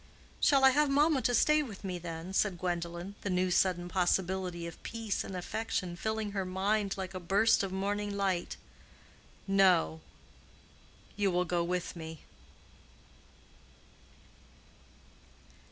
"Shall I have mamma to stay with me, then?" said Gwendolen, the new sudden possibility of peace and affection filling her mind like a burst of morning light. "No; you will go with me."